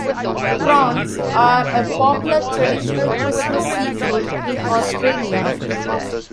Prawns are a popular traditional Christmas seafood in Australia.